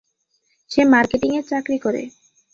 সে marketing এর চাকরি করে।